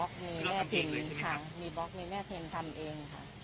ใช่มีบล็อกมีแม่พิมพ์ทำเอง